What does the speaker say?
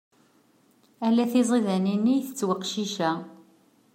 Ala tiziḍanin i itett weqcic-a.